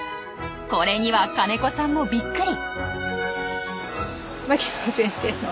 これには金子さんもびっくり。